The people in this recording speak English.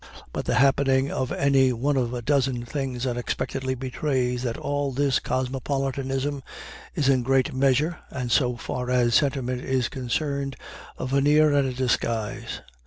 But the happening of any one of a dozen things unexpectedly betrays that all this cosmopolitanism is in great measure, and so far as sentiment is concerned, a veneer and a disguise.